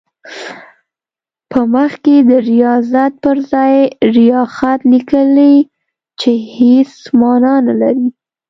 په مخ کې د ریاضت پر ځای ریاخت لیکي چې هېڅ معنی نه لري.